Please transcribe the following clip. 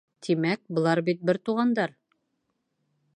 Тимәк, былар бит бер туғандар.